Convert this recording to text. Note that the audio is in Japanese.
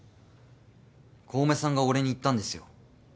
小梅さんが俺に言ったんですよ